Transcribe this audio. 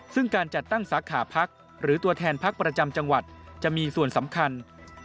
ซึ่งการจัดตั้งสาขาพักหรือตัวแทนพักประจำจังหวัดจะมีส่วนสำคัญ